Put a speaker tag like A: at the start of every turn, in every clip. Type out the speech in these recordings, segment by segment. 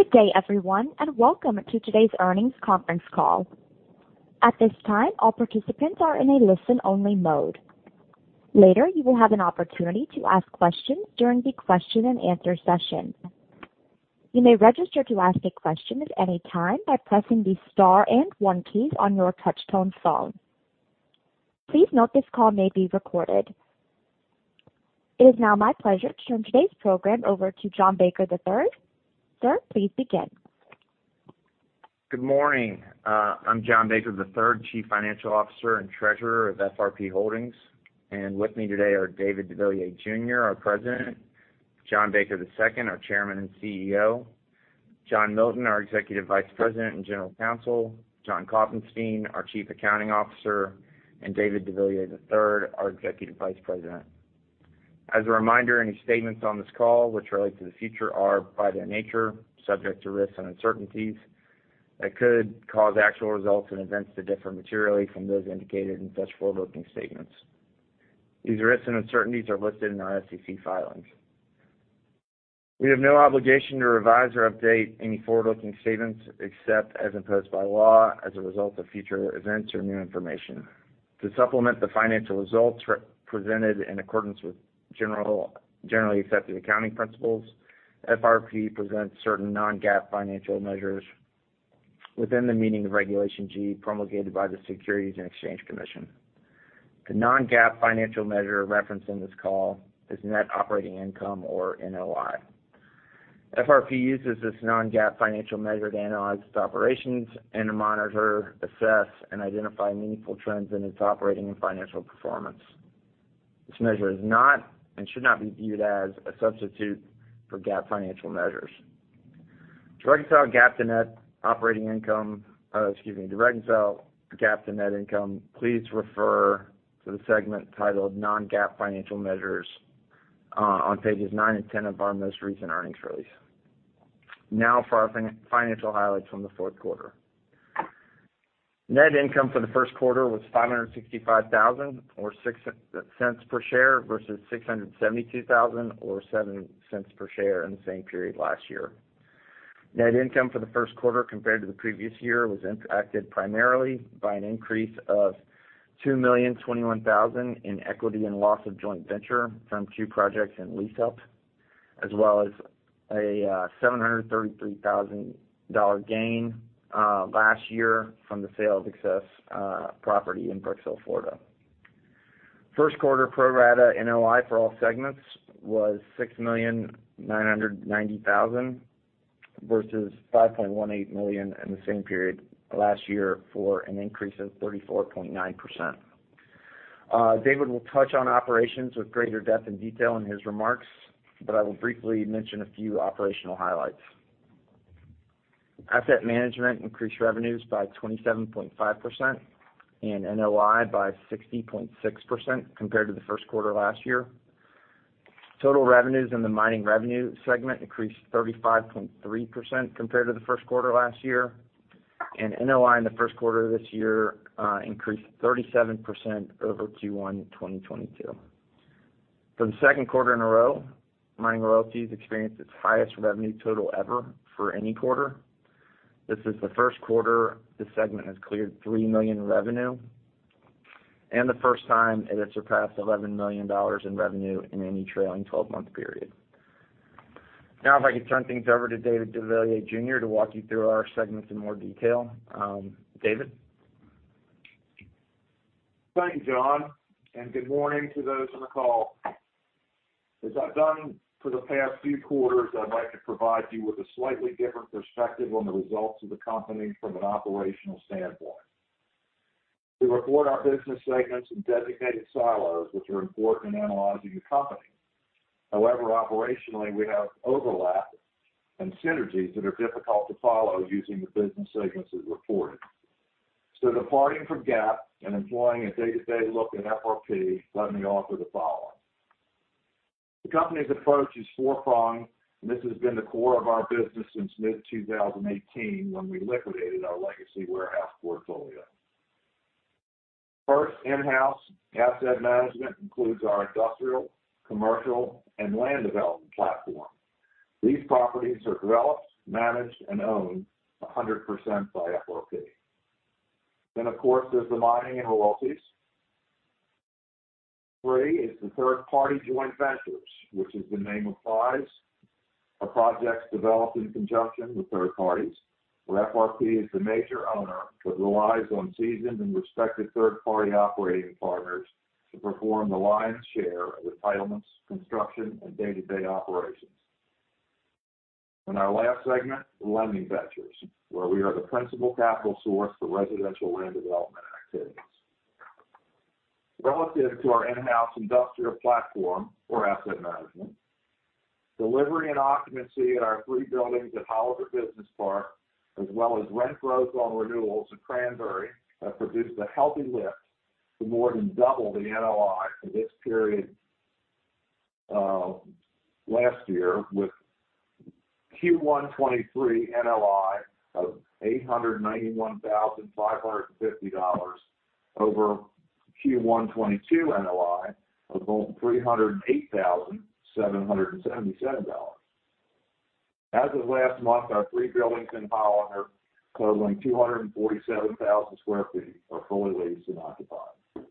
A: Good day, everyone, and welcome to today's earnings conference call. At this time, all participants are in a listen-only mode. Later, you will have an opportunity to ask questions during the question-and-answer session. You may register to ask a question at any time by pressing the star and one keys on your touch-tone phone. Please note this call may be recorded. It is now my pleasure to turn today's program over to John Baker III. Sir, please begin.
B: Good morning. I'm John Baker III, Chief Financial Officer and Treasurer of FRP Holdings. With me today are David deVilliers, Jr., our President, John Baker II, our Chairman and CEO, John Milton, our Executive Vice President and General Counsel, John Klopfenstein, our Chief Accounting Officer, and David deVilliers III, our Executive Vice President. As a reminder, any statements on this call which relate to the future are, by their nature, subject to risks and uncertainties that could cause actual results and events to differ materially from those indicated in such forward-looking statements. These risks and uncertainties are listed in our SEC filings. We have no obligation to revise or update any forward-looking statements except as imposed by law as a result of future events or new information. To supplement the financial results presented in accordance with Generally Accepted Accounting Principles, FRP presents certain non-GAAP financial measures within the meaning of Regulation G promulgated by the Securities and Exchange Commission. The non-GAAP financial measure referenced in this call is Net Operating Income or NOI. FRP uses this non-GAAP financial measure to analyze its operations and to monitor, assess, and identify meaningful trends in its operating and financial performance. This measure is not and should not be viewed as a substitute for GAAP financial measures. To reconcile GAAP to Net Operating Income. Excuse me, to reconcile GAAP to net income, please refer to the segment titled Non-GAAP Financial Measures on pages nine and 10 of our most recent earnings release. Now for our financial highlights from the fourth quarter. Net income for the first quarter was $565,000 or $0.06 per share versus $672,000 or $0.07 per share in the same period last year. Net income for the first quarter compared to the previous year was impacted primarily by an increase of $2,021,000 in equity and loss of joint venture from two projects in lease-up, as well as a $733,000 gain last year from the sale of excess property in Brooksville, Florida. First quarter pro rata NOI for all segments was $6,990,000 versus $5.18 million in the same period last year for an increase of 34.9%. David will touch on operations with greater depth and detail in his remarks, but I will briefly mention a few operational highlights. Asset management increased revenues by 27.5% and NOI by 60.6% compared to the first quarter last year. Total revenues in the Mining Revenue segment increased 35.3% compared to the first quarter last year, and NOI in the first quarter of this year increased 37% over Q1 2022. For the second quarter in a row, mining royalties experienced its highest revenue total ever for any quarter. This is the first quarter the segment has cleared $3 million in revenue and the first time it has surpassed $11 million in revenue in any trailing 12-month period. If I could turn things over to David deVilliers Jr. to walk you through our segments in more detail. David?
C: Thank you, John. Good morning to those on the call. As I've done for the past few quarters, I'd like to provide you with a slightly different perspective on the results of the company from an operational standpoint. We report our business segments in designated silos, which are important in analyzing the company. However, operationally, we have overlap and synergies that are difficult to follow using the business segments as reported. Departing from GAAP and employing a day-to-day look at FRP, let me offer the following. The company's approach is four-pronged, and this has been the core of our business since mid-2018 when we liquidated our legacy warehouse portfolio. First, in-house asset management includes our industrial, commercial, and land development platform. These properties are developed, managed, and owned 100% by FRP. Of course, there's the mining and royalties. Three is the third party joint ventures, which is the name implies are projects developed in conjunction with third parties, where FRP is the major owner, but relies on seasoned and respected third party operating partners to perform the lion's share of entitlements, construction, and day-to-day operations. Our last segment, lending ventures, where we are the principal capital source for residential land development activities. Relative to our in-house industrial platform for asset management, delivery and occupancy at our three buildings at Hollister Business Park, as well as rent growth on renewals at Cranberry, have produced a healthy lift to more than double the NOI for this period last year with Q1 2023 NOI of $891,550 over Q1 2022 NOI of only $308,777. As of last month, our three buildings in Hollister, totaling 247,000 sq ft, are fully leased and occupied.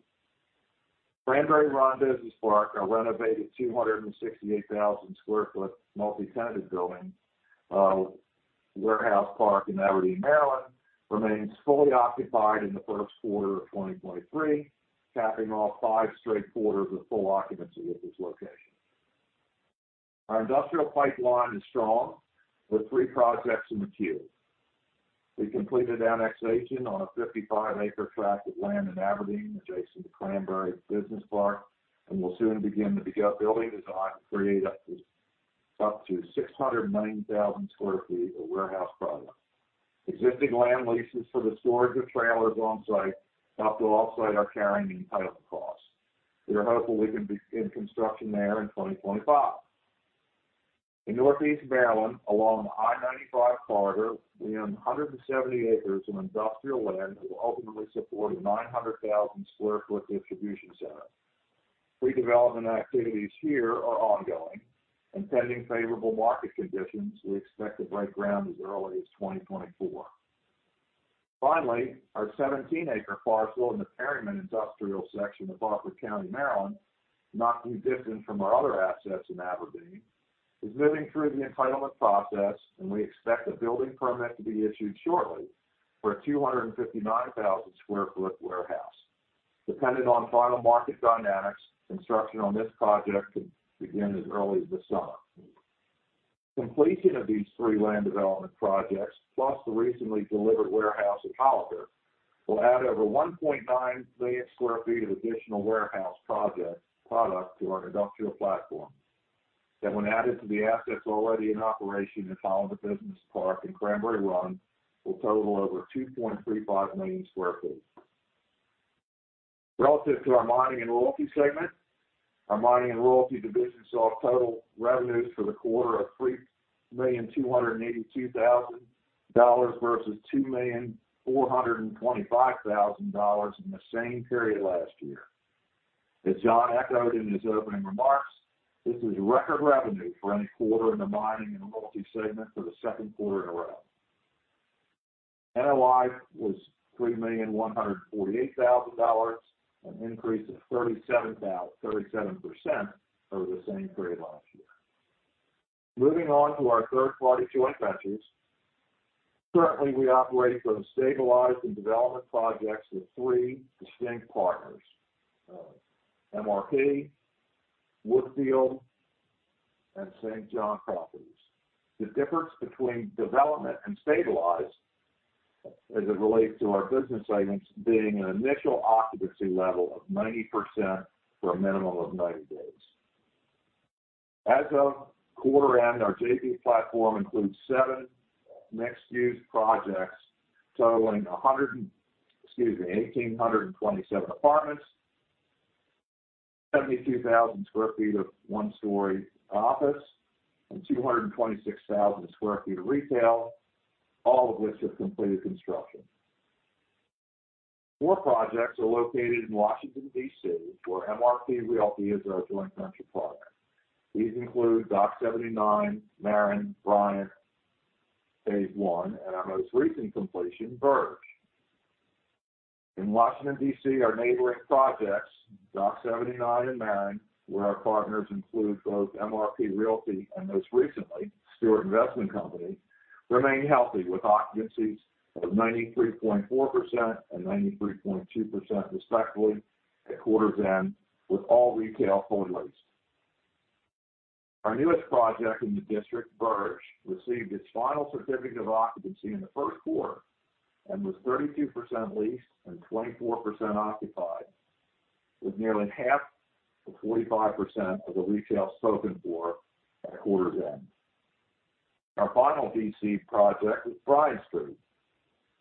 C: Cranberry Run Business Park, our renovated 268,000 sq ft multi-tenanted building, warehouse park in Aberdeen, Maryland, remains fully occupied in the first quarter of 2023, capping off five straight quarters of full occupancy at this location. Our industrial pipeline is strong with three projects in the queue. We completed annexation on a 55 acre tract of land in Aberdeen adjacent to Cranberry Business Park, we'll soon begin building design to create up to 690,000 sq ft of warehouse product. Existing land leases for the storage of trailers on site help to offset our carrying and entitlement costs. We are hopeful we can be in construction there in 2025. In northeast Maryland, along I-95 Corridor, we own 170 acres of industrial land that will ultimately support a 900,000 sq ft distribution center. Pending favorable market conditions, we expect to break ground as early as 2024. Finally, our 17-acre parcel in the Perryman industrial section of Harford County, Maryland, not too distant from our other assets in Aberdeen, is moving through the entitlement process. We expect a building permit to be issued shortly for a 259,000 sq ft warehouse. Depending on final market dynamics, construction on this project could begin as early as this summer. Completion of these three land development projects, plus the recently delivered warehouse at Hollister, will add over 1.9 million sq ft of additional warehouse product to our industrial platform. When added to the assets already in operation at Hollister Business Park and Cranberry Run, will total over 2.35 million sq ft. Relative to our mining and royalty segment, our mining and royalty division saw total revenues for the quarter of $3,282,000 versus $2,425,000 in the same period last year. As John echoed in his opening remarks, this is record revenue for any quarter in the mining and royalty segment for the second quarter in a row. NOI was $3,148,000, an increase of 37% over the same period last year. Moving on to our third-party joint ventures. Currently, we operate from stabilized and development projects with three distinct partners, MRP, Woodfield, and St. John Properties. The difference between development and stabilized as it relates to our business segments being an initial occupancy level of 90% for a minimum of 90 days. As of quarter end, our JV platform includes seven mixed-use projects totaling 1,827 apartments, 72,000 sq ft of one-story office, and 226,000 sq ft of retail, all of which have completed construction. Four projects are located in Washington, D.C., where MRP Realty is our joint venture partner. These include Dock 79, Marin, Bryant Phase One, and our most recent completion, Birch. In Washington, D.C., our neighboring projects, Dock 79 and Marin, where our partners include both MRP Realty and most recently Steuart Investment Company, remain healthy with occupancies of 93.4% and 93.2% respectively at quarter's end, with all retail fully leased. Our newest project in the District, Birch, received its final certificate of occupancy in the first quarter and was 32% leased and 24% occupied, with nearly half or 45% of the retail spoken for at quarter's end. Our final D.C. project is Bryant Street,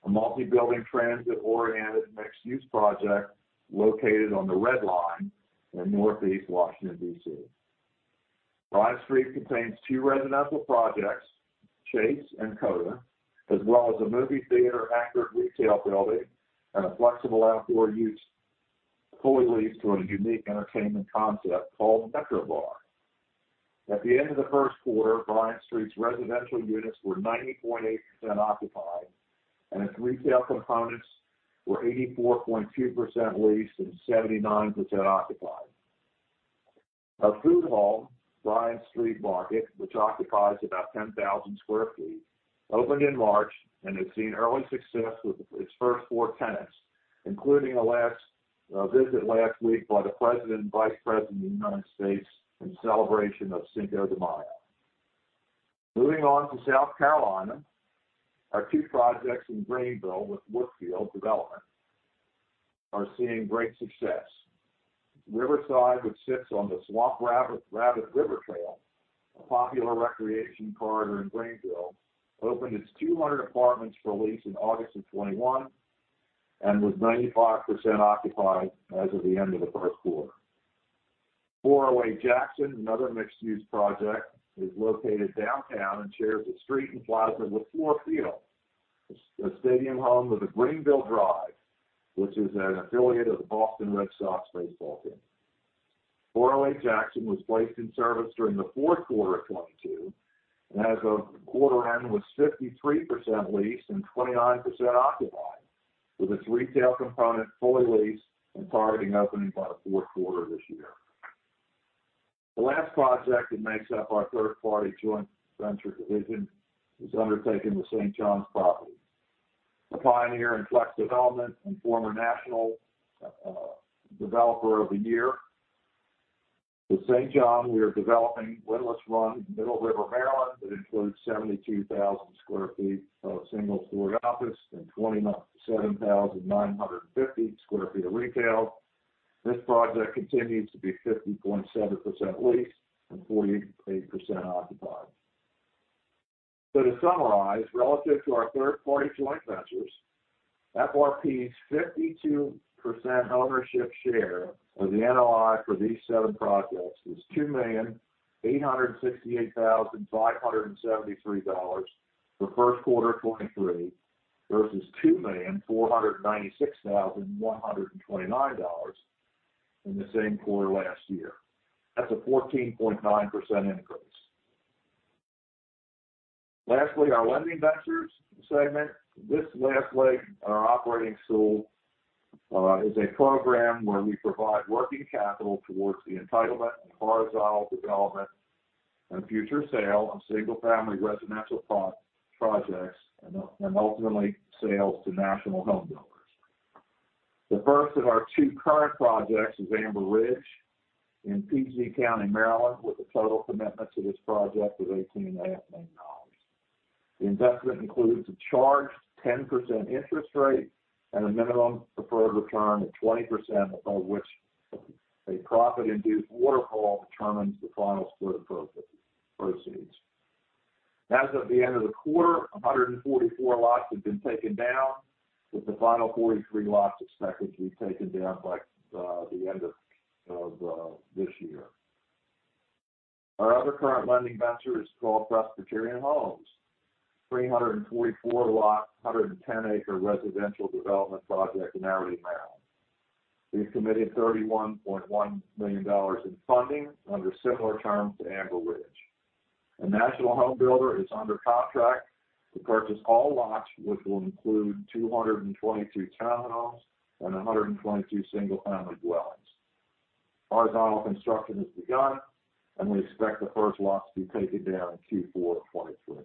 C: a multi-building transit-oriented mixed-use project located on the Red Line in northeast Washington, D.C. Bryant Street contains two residential projects, Chase and Coda, as well as a movie theater, anchor retail building, and a flexible outdoor use fully leased to a unique entertainment concept called Metrobar. At the end of the first quarter, Bryant Street's residential units were 90.8% occupied, and its retail components were 84.2% leased and 79% occupied. A food hall, Bryant Street Market, which occupies about 10,000 sq ft, opened in March and has seen early success with its first four tenants, including a visit last week by the President and Vice President of the United States in celebration of Cinco de Mayo. Moving on to South Carolina. Our two projects in Greenville with Woodfield Development are seeing great success. Riverside, which sits on the Swamp Rabbit River Trail, a popular recreation corridor in Greenville, opened its 200 apartments for lease in August of 2021 and was 95% occupied as of the end of the first quarter. 408 Jackson, another mixed-use project, is located downtown and shares a street and plaza with Fluor Field, the stadium home of the Greenville Drive, which is an affiliate of the Boston Red Sox baseball team. 408 Jackson was placed in service during the fourth quarter of 2022, and as of quarter end, was 53% leased and 29% occupied, with its retail component fully leased and targeting opening by the fourth quarter this year. The last project that makes up our third party joint venture division is undertaken with St. John Properties, a pioneer in flex development and former national developer of the year. With St. John, we are developing Windlass Run, Middle River, Maryland. That includes 72,000 sq ft of single-story office and 7,950 sq ft of retail. This project continues to be 50.7% leased and 48% occupied. To summarize, relative to our third-party joint ventures, FRP's 52% ownership share of the NOI for these seven projects was $2,868,573 for first quarter of 2023 versus $2,496,129 in the same quarter last year. That's a 14.9% increase. Lastly, our lending ventures segment. This last leg in our operating stool is a program where we provide working capital towards the entitlement, horizontal development, and future sale of single-family residential projects and ultimately sales to national homebuilders. The first of our two current projects is Amber Ridge in P.G. County, Maryland, with a total commitment to this project of $18.5 million. The investment includes a charged 10% interest rate and a minimum preferred return of 20%, above which a profit-induced waterfall determines the final split of proceeds. As of the end of the quarter, 144 lots have been taken down, with the final 43 lots expected to be taken down by the end of this year. Our other current lending venture is called Presbyterian Homes, 344 lot, 110 acre residential development project in Ardingley, Maryland. We've committed $31.1 million in funding under similar terms to Amber Ridge. A national homebuilder is under contract to purchase all lots, which will include 222 townhomes and 122 single-family dwellings. Horizontal construction has begun. We expect the first lots to be taken down in Q4 of 2023.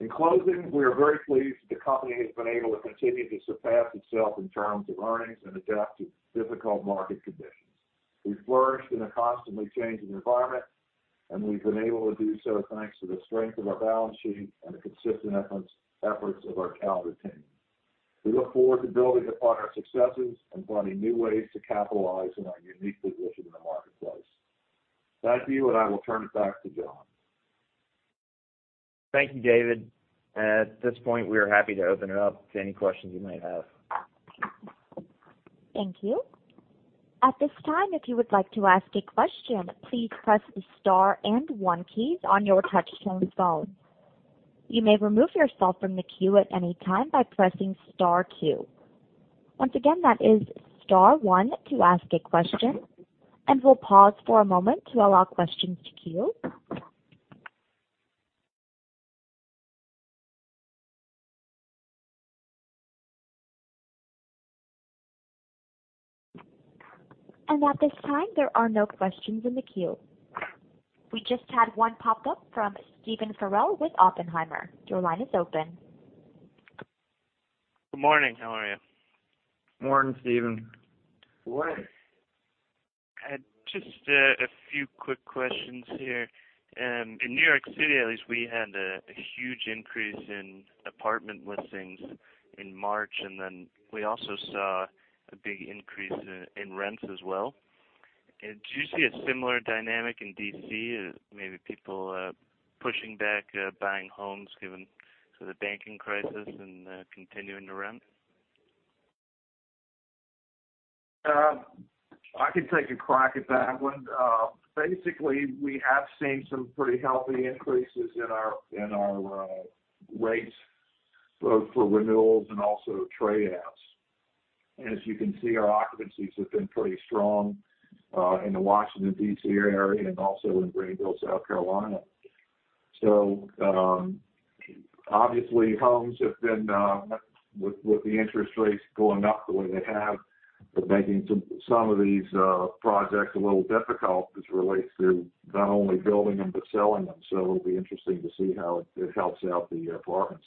C: In closing, we are very pleased the company has been able to continue to surpass itself in terms of earnings and adapt to difficult market conditions. We've flourished in a constantly changing environment, and we've been able to do so thanks to the strength of our balance sheet and the consistent efforts of our talented team. We look forward to building upon our successes and finding new ways to capitalize on our unique position in the marketplace. Back to you. I will turn it back to John.
B: Thank you, David. At this point, we are happy to open it up to any questions you might have.
A: Thank you. At this time, if you would like to ask a question, please press the star and one keys on your touchtone phone. You may remove yourself from the queue at any time by pressing star two. Once again, that is star one to ask a question, and we'll pause for a moment to allow questions to queue. At this time, there are no questions in the queue. We just had one pop up from Stephen Farrell with Oppenheimer. Your line is open.
D: Good morning. How are you?
B: Morning, Stephen.
C: Morning.
D: I had just a few quick questions here. In New York City at least, we had a huge increase in apartment listings in March. We also saw a big increase in rents as well. Do you see a similar dynamic in D.C. as maybe people pushing back buying homes given sort of banking crisis and continuing to rent?
C: I can take a crack at that one. Basically, we have seen some pretty healthy increases in our rates both for renewals and also trade outs. As you can see, our occupancies have been pretty strong in the Washington, D.C. area and also in Greenville, South Carolina. Obviously homes have been with the interest rates going up the way they have, they're making some of these projects a little difficult as it relates to not only building them but selling them. It'll be interesting to see how it helps out the apartments.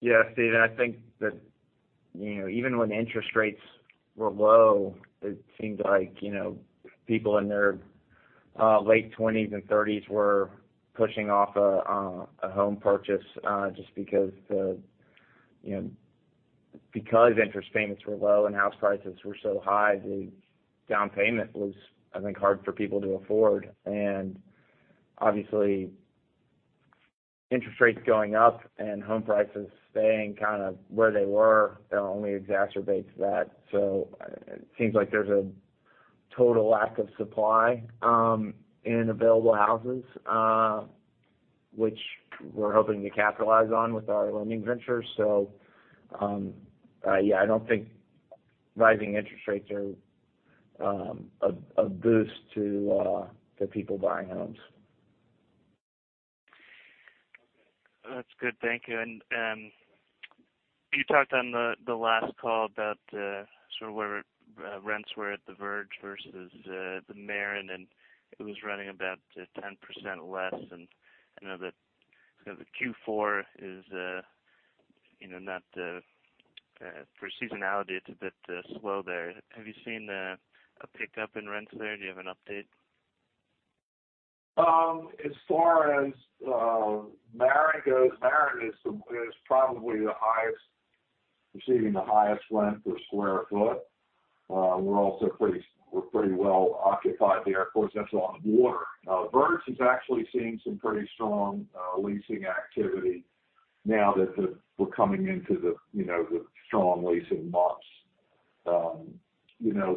B: Stephen, I think that, you know, even when interest rates were low, it seemed like, you know, people in their late 20s and 30s were pushing off a home purchase just because, you know, because interest payments were low and house prices were so high, the down payment was, I think, hard for people to afford. Obviously, interest rates going up and home prices staying kind of where they were, it only exacerbates that. It seems like there's a total lack of supply in available houses, which we're hoping to capitalize on with our lending venture. I don't think rising interest rates are a boost to people buying homes.
D: That's good. Thank you. You talked on the last call about sort of where rents were at The Verge versus the Marin, and it was running about 10% less. I know that kind of the Q4 is, you know, not the for seasonality, it's a bit slow there. Have you seen a pickup in rents there? Do you have an update?
C: As far as Marin goes, Marin is probably the highest, receiving the highest rent per square foot. We're also pretty well occupied there. Of course, that's on water. Verge is actually seeing some pretty strong leasing activity now that we're coming into the, you know, the strong leasing months. You know,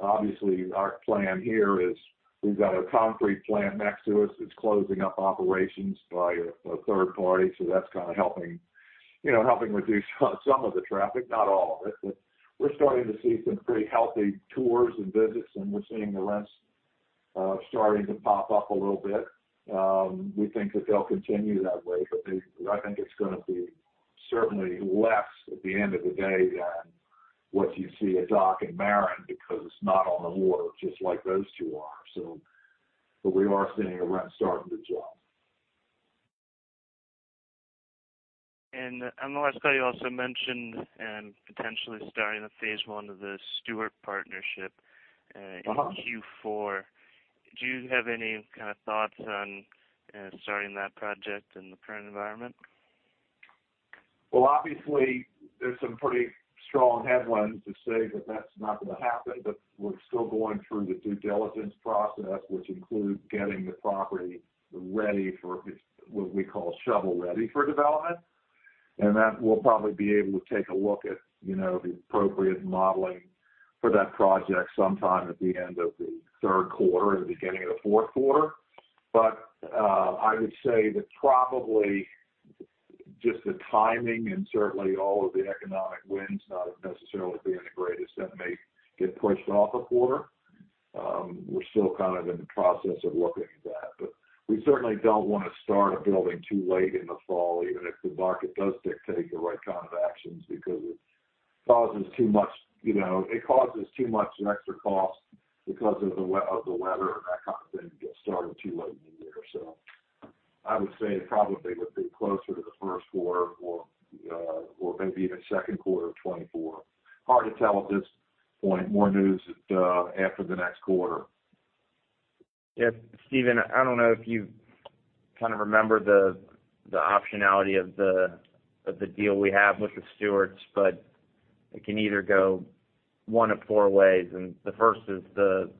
C: obviously, our plan here is we've got a concrete plant next to us that's closing up operations by a third party, that's kind of helping, you know, helping reduce some of the traffic, not all of it. We're starting to see some pretty healthy tours and visits, and we're seeing the rents starting to pop up a little bit. We think that they'll continue that way. I think it's gonna be certainly less at the end of the day than what you see at Dock and Marin because it's not on the water just like those two are. We are seeing the rents starting to jump.
D: On the last call, you also mentioned, potentially starting the phase one of the Steuart partnership.
C: Uh-huh.
D: In Q4. Do you have any kind of thoughts on starting that project in the current environment?
C: Obviously, there's some pretty strong headlines that say that that's not gonna happen. We're still going through the due diligence process, which includes getting the property ready for what we call shovel-ready for development. That, we'll probably be able to take a look at, you know, the appropriate modeling for that project sometime at the end of the third quarter or the beginning of the fourth quarter. I would say that probably just the timing and certainly all of the economic winds not necessarily being the greatest, that may get pushed off a quarter. We're still kind of in the process of looking at that. We certainly don't wanna start a building too late in the fall, even if the market does dictate the right kind of actions, because it causes too much, you know, it causes too much in extra cost because of the weather and that kind of thing to get started too late in the year. I would say it probably would be closer to the first quarter or maybe even second quarter of 2024. Hard to tell at this point. More news after the next quarter.
B: Yeah. Stephen, I don't know if you kind of remember the optionality of the, of the deal we have with the Steuart, but it can either go one of four ways. The first is the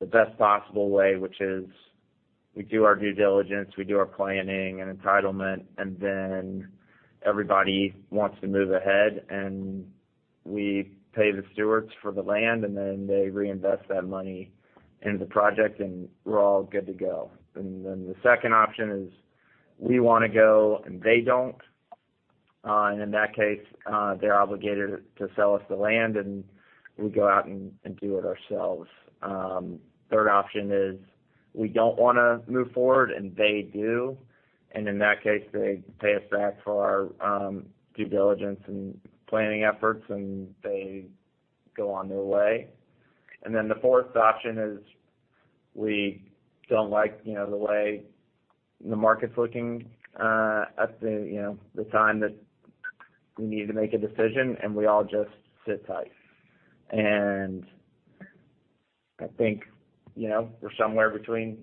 B: best possible way, which is we do our due diligence, we do our planning and entitlement, and then everybody wants to move ahead. We pay the Steuart for the land, and then they reinvest that money into the project, and we're all good to go. The second option is we wanna go, and they don't. In that case, they're obligated to sell us the land, and we go out and do it ourselves. Third option is we don't wanna move forward, and they do. In that case, they pay us back for our due diligence and planning efforts, and they go on their way. The fourth option is we don't like, you know, the way the market's looking at the, you know, the time that we need to make a decision, and we all just sit tight. I think, you know, we're somewhere between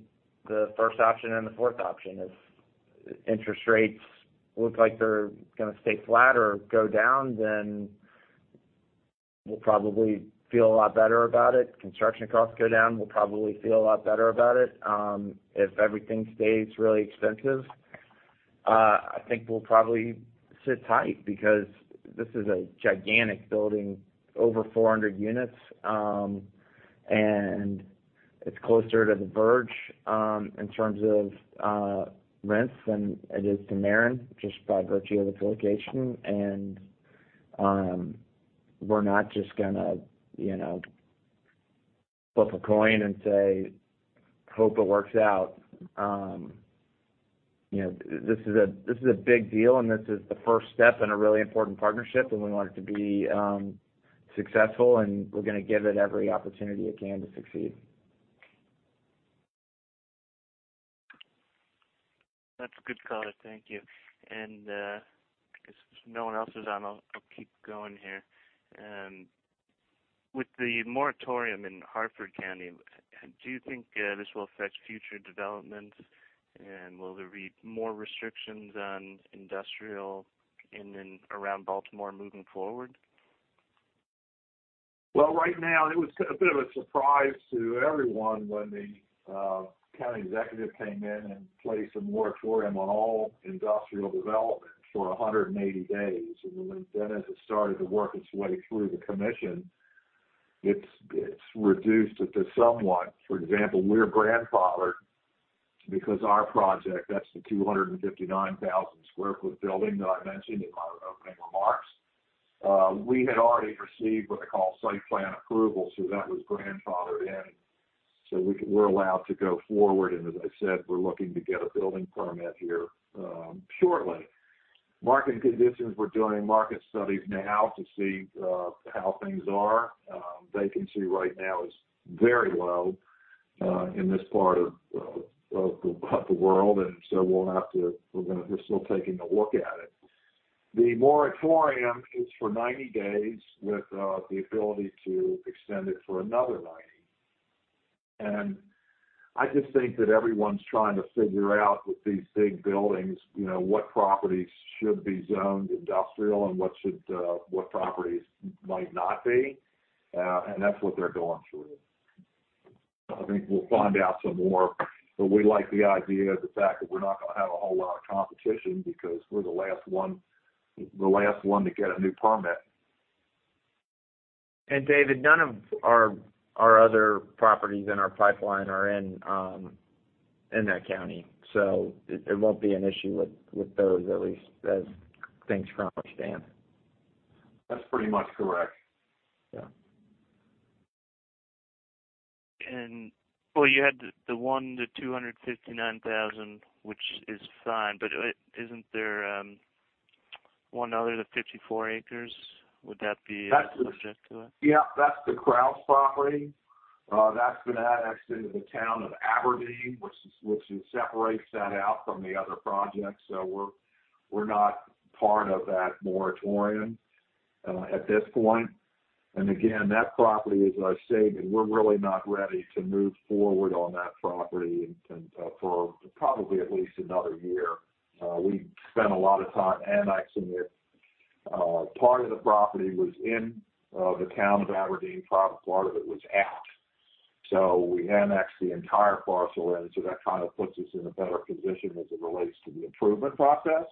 B: the first option and the fourth option. If interest rates look like they're gonna stay flat or go down, we'll probably feel a lot better about it. Construction costs go down, we'll probably feel a lot better about it. If everything stays really expensive, I think we'll probably sit tight because this is a gigantic building, over 400 units. It's closer to The Verge, in terms of rents than it is to Marin, just by virtue of its location. We're not just gonna, you know, flip a coin and say, "Hope it works out." You know, this is a, this is a big deal, and this is the first step in a really important partnership, and we want it to be successful, and we're gonna give it every opportunity it can to succeed.
D: That's a good call. Thank you. I guess if no one else is on, I'll keep going here. With the moratorium in Harford County, do you think this will affect future developments? Will there be more restrictions on industrial in and around Baltimore moving forward?
C: Well, right now, it was a bit of a surprise to everyone when the county executive came in and placed a moratorium on all industrial development for 180 days. As it started to work its way through the commission, it's reduced it to somewhat. For example, we're grandfathered because our project, that's the 259,000 sq ft building that I mentioned in my opening remarks, we had already received what they call site plan approval, so that was grandfathered in. We're allowed to go forward, and as I said, we're looking to get a building permit here shortly. Market conditions, we're doing market studies now to see how things are. Vacancy right now is very low in this part of the world. We're still taking a look at it. The moratorium is for 90 days with the ability to extend it for another 90. I just think that everyone's trying to figure out with these big buildings, you know, what properties should be zoned industrial and what should, what properties might not be, and that's what they're going through. I think we'll find out some more, but we like the idea of the fact that we're not gonna have a whole lot of competition because we're the last one to get a new permit.
B: David, none of our other properties in our pipeline are in that county. It won't be an issue with those at least as things currently stand.
C: That's pretty much correct.
B: Yeah.
D: Well, you had the one, the $259,000, which is fine, but isn't there, one other, the 54 acres? Would that be subject to it?
C: That's the Krauss property. That's been annexed into the town of Aberdeen, which separates that out from the other projects. We're not part of that moratorium at this point. Again, that property, as I've stated, we're really not ready to move forward on that property and for probably at least another year. We've spent a lot of time annexing it. Part of the property was in the town of Aberdeen, part of it was out. We annexed the entire parcel, that kind of puts us in a better position as it relates to the improvement process.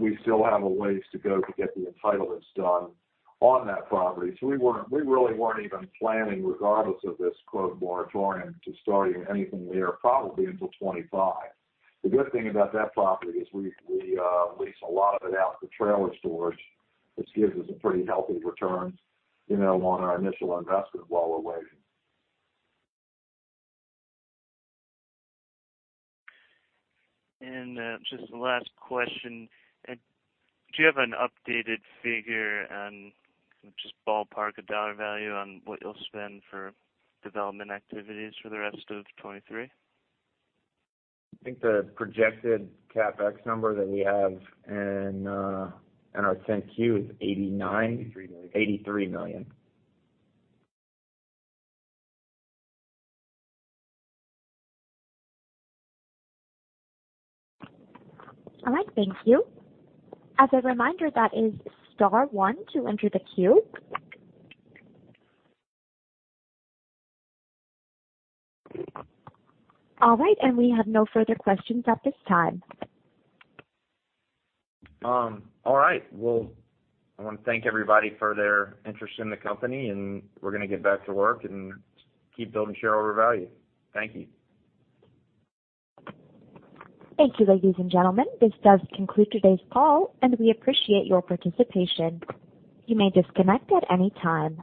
C: We still have a ways to go to get the entitlements done on that property. We really weren't even planning regardless of this "moratorium" to starting anything there, probably until 2025. The good thing about that property is we lease a lot of it out for trailer storage, which gives us a pretty healthy return, you know, on our initial investment while we're waiting.
D: Just the last question. Do you have an updated figure and just ballpark a dollar value on what you'll spend for development activities for the rest of 2023?
B: I think the projected CapEx number that we have in our 10-Q is $83 million.
A: All right. Thank you. As a reminder, that is star one to enter the queue. All right. We have no further questions at this time.
B: All right. I wanna thank everybody for their interest in the company, and we're gonna get back to work and keep building shareholder value. Thank you.
A: Thank you, ladies and gentlemen. This does conclude today's call, and we appreciate your participation. You may disconnect at any time.